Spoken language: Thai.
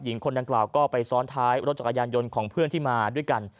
หญิงคนดังกล่าวก็ไปซ้อนท้ายรถจักรยานยนต์ของเพื่อนที่มาด้วยกัน